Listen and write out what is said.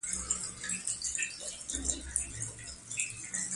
خطي نسخه هغه ده، چي په لاس ليکل سوې يي.